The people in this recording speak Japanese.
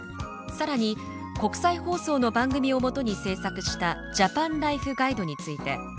さらに国際放送の番組をもとに制作したジャパンライフガイドについて。